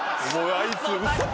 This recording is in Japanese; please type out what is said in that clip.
あいつ。